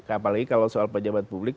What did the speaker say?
apalagi kalau soal pejabat publik